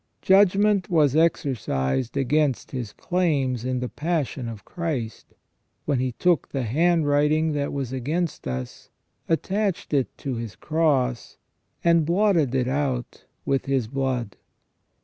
Judgment was exercised against his claims in the passion of Christ, when He took the handwriting that was against us, attached it to His Cross, and blotted it out with His blood.